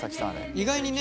意外にね。